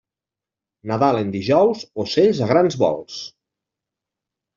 Nadal en dijous, ocells a grans vols.